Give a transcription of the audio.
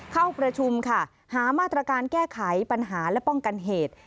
เข้าประชุมค่ะหามาตรการแก้ไขปัญหาและป้องกันเหตุ